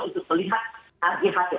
untuk melihat arki arki